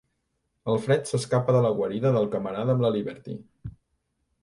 El Fred s'escapa de la guarida del camarada amb la Liberty.